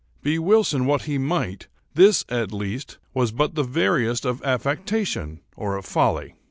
Be Wilson what he might, this, at least, was but the veriest of affectation, or of folly.